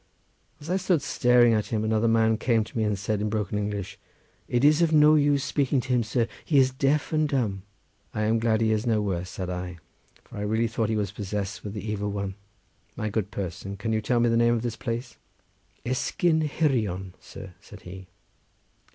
As I stood staring at him another man came to me and said in broken English, "It is of no use speaking to him, sir, he is deaf and dumb." "I am glad he is no worse," said I, "for I really thought he was possessed with the evil one. My good person, can you tell me the name of this place?" "Esgyrn Hirion, sir," said he.